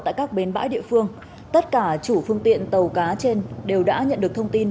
tại các bến bãi địa phương tất cả chủ phương tiện tàu cá trên đều đã nhận được thông tin